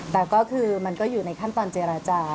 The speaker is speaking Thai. แต่ก็คือมันก็อยู่ในขั้นตอนเจรจา